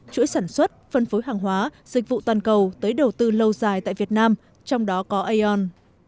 chuỗi sản xuất phân phối hàng hóa dịch vụ toàn cầu tới đầu tư lâu dài tại việt nam trong đó có aon